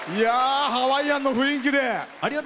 ハワイアンの雰囲気で。